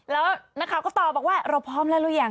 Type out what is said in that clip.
แล้วนักข่าวก็ตอบบอกว่าเราพร้อมแล้วหรือยัง